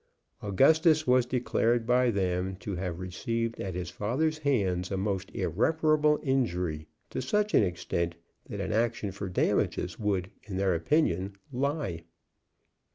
Augustus was declared by them to have received at his father's hands a most irreparable injury to such an extent that an action for damages would, in their opinion, lie.